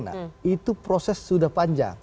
nah itu proses sudah panjang